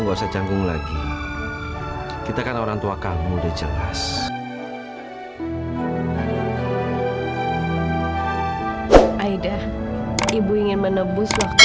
gak usah canggung lagi kita kan orang tua kamu udah jelas aida ibu ingin menembus waktu